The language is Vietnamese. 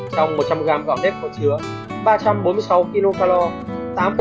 trong một trăm linh g gạo nếp có chứa ba trăm bốn mươi sáu kcal tám bốn g đạm bảy bốn chín g tinh bột và một mươi sáu mg caxi